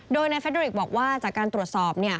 โดยนายเฟดดอริกบอกว่าจากการตรวจสอบ